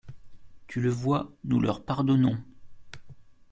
Tu le vois, nous leur pardonnons.